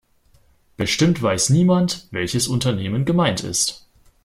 Bestimmt weiß niemand, welches Unternehmen gemeint ist.